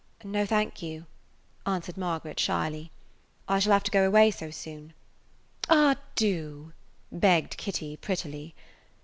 "No, thank you," answered Margaret, shyly, "I shall have to go away so soon." "Ah, do!" begged Kitty, prettily.